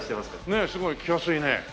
ねえすごい着やすいね。